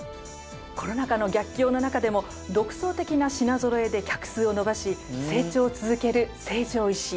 コロナ禍の逆境の中でも独創的な品ぞろえで客数を伸ばし成長を続ける成城石井。